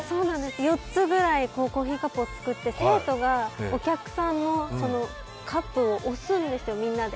４つぐらいコーヒーカップを作って生徒がお客さんのカップを押すんですよ、みんなで。